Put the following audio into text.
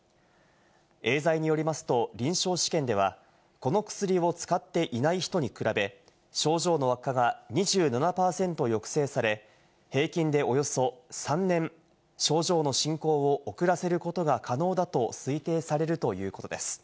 エーザイによりますと、臨床試験では、この薬を使っていない人に比べ、症状の悪化が２７％抑制され、平均でおよそ３年、症状の進行を遅らせることが可能だと推定されるということです。